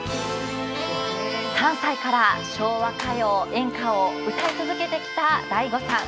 ３歳から昭和歌謡演歌を歌い続けてきた大吾さん。